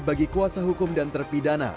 bagi kuasa hukum dan terpidana